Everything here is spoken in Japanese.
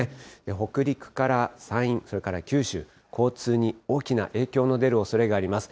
北陸から山陰、それから九州、交通に大きな影響の出るおそれがあります。